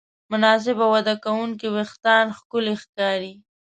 مناسب وده کوونکي وېښتيان ښکلي ښکاري.